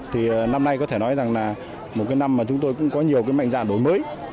thì năm nay có thể nói rằng là một cái năm mà chúng tôi cũng có nhiều cái mạnh dạn đổi mới